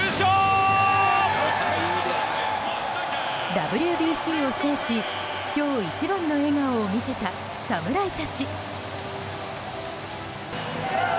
ＷＢＣを制し今日一番の笑顔を見せた侍たち。